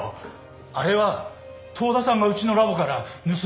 あれは遠田さんがうちのラボから盗み出したんです。